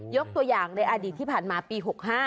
ยกตัวอย่างในอดีตที่ผ่านมาปี๖๕